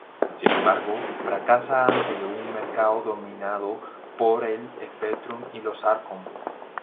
Sin embargo fracasa ante un mercado dominado por el Spectrum y los Acorn.